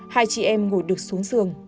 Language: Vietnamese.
hai chị em ngồi đực xuống giường